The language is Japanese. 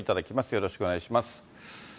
よろしくお願いします。